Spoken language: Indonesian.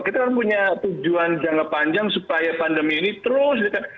kita kan punya tujuan jangka panjang supaya pandemi ini terus